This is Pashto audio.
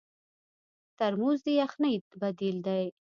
ترموز د یخنۍ بدیل دی.